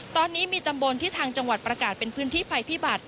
ตอนนี้มีตำบลที่ทางจังหวัดประกาศเป็นพื้นที่ภัยพิบัติ